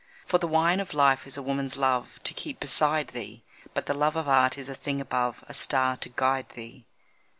For the wine of life is a woman's love To keep beside thee; But the love of Art is a thing above A star to guide thee.